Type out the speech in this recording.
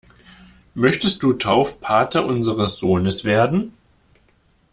Möchtest du Taufpate unseres Sohnes werden?